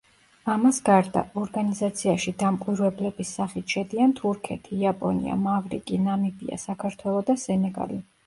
ამას გარდა, ორგანიზაციაში დამკვირვებლების სახით შედიან თურქეთი, იაპონია, მავრიკი, ნამიბია, საქართველო და სენეგალი.